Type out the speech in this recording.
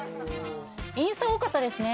インスタ多かったですね